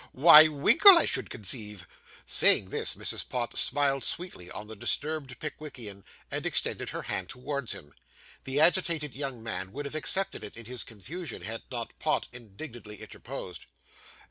Why, Winkle, I should conceive.' Saying this, Mrs. Pott smiled sweetly on the disturbed Pickwickian, and extended her hand towards him. The agitated young man would have accepted it, in his confusion, had not Pott indignantly interposed.